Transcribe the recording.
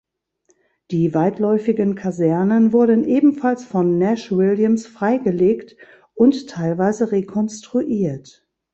Die weitläufigen Kasernen wurden ebenfalls von Nash-Williams freigelegt und teilweise rekonstruiert.